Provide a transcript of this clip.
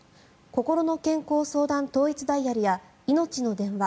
こころの健康相談統一ダイヤルやいのちの電話